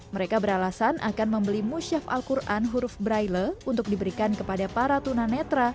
mereka beralasan akan membeli musyaf al quran huruf braille untuk diberikan kepada para tunanetra